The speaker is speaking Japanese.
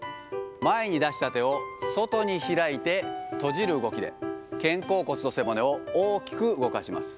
前に出した手を外に開いて閉じる動きで、肩甲骨と背骨を大きく動かします。